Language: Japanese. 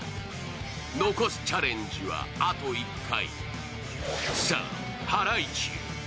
残すチャレンジはあと１回。